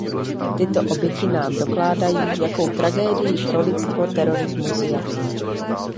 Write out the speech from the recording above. Tyto oběti nám dokládají, jakou tragedií pro lidstvo terorismus je.